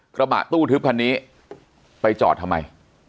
กระบะตู้ทึบคันนี้ไปจอดทำไม